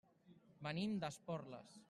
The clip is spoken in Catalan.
Venim d'Esporles.